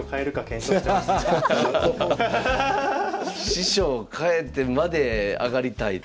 師匠を変えてまで上がりたいという。